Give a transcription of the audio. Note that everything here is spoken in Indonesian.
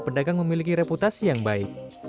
pedagang memiliki reputasi yang baik